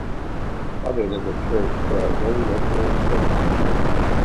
Other than the church there are no local services.